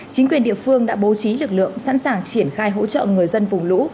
chính quyền địa phương đã bố trí lực lượng sẵn sàng triển khai hỗ trợ người dân vùng lũ